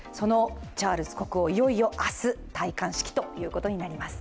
チャールズ国王、いよいよ明日戴冠式となります。